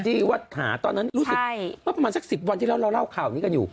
ที่ว่าหาตอนนั้นประมาณสัก๑๐วันที่เราเล่าข่าวนี้กันอยู่